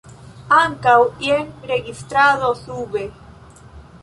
Ankaŭ jen registrado sube.